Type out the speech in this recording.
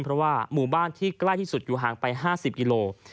เพราะว่าหมู่บ้านที่ใกล้ที่สุดอยู่ห่างไป๕๐กิโล